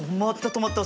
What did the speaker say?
止まった！